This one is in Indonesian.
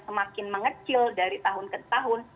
semakin mengecil dari tahun ke tahun